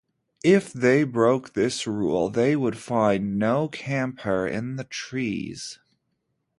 If they broke this rule, they would find no camphor in the trees.